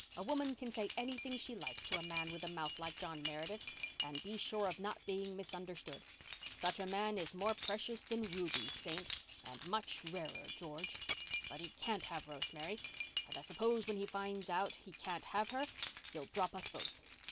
A woman can say anything she likes to a man with a mouth like John Meredith's and be sure of not being misunderstood. Such a man is more precious than rubies, Saint—and much rarer, George. But he can't have Rosemary—and I suppose when he finds out he can't have her he'll drop us both.